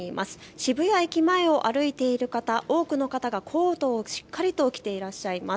渋谷駅前を歩いている方、多くの方がコートをしっかりと着ていらっしゃいます。